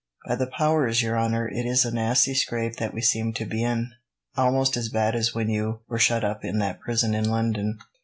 "By the powers, your honour, it is a nasty scrape that we seem to be in, almost as bad as when you were shut up in that prison in London."